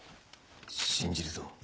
信じるぞ。